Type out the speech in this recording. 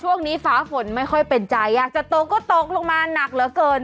ฟ้าฝนไม่ค่อยเป็นใจอยากจะตกก็ตกลงมาหนักเหลือเกิน